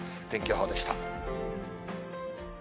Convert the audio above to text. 天気予報でした。